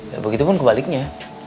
ya begitu pun kebaliknya